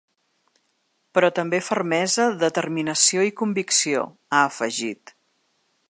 Però també fermesa, determinació i convicció, ha afegit.